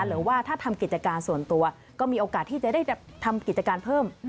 หรือว่าถ้าทำกิจการส่วนตัวก็มีโอกาสที่จะได้ทำกิจการเพิ่ม